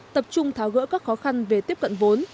tập trung tháo gỡ các khó khăn về tiếp cận vốn